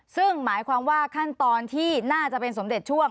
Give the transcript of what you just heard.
ซึ่งหมายความว่าขั้นตอนที่น่าจะเป็นสมเด็จช่วง